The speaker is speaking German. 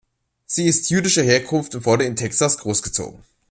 Sie ist jüdischer Herkunft und wurde in Texas großgezogen.